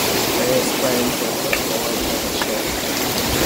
Various plans were put forward for the ship.